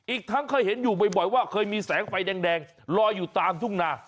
อีกทั้งเคยเห็นอยู่บ่อยว่าเคยมีแสงไฟแดงลอยอยู่ตามทุ่งนา